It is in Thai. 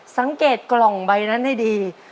สังเกตกล่องใบนั้นให้ดี